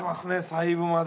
細部まで。